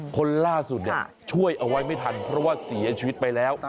คนล่าสุดช่วยเอาไว้ไม่ทันเพราะว่าเสียชีวิตไปแล้ว